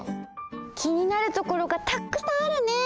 気になるところがたくさんあるね！